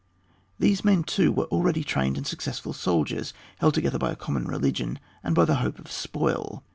These men, too, were already trained and successful soldiers, held together both by a common religion and by the hope of spoil.